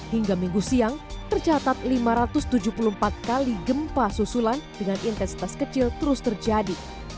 hingga minggu siang tercatat lima ratus tujuh puluh empat kali gempa susulan dengan intensitas kecil terus terjadi